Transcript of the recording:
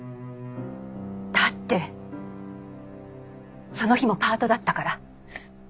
だってその日もパートだったから。